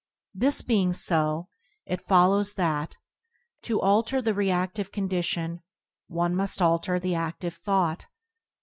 This being so, it fol lows that, to alter the rea&ive condition, one must alter the a&ive thought.